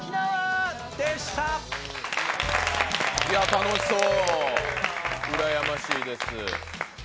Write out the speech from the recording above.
楽しそう、うらやましいです